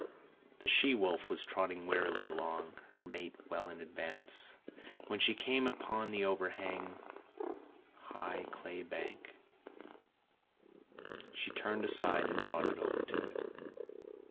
The she wolf was trotting wearily along, her mate well in advance, when she came upon the overhanging, high clay bank. She turned aside and trotted over to it.